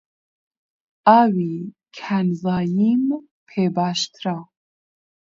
ئاوی کانزاییم پێ باشترە.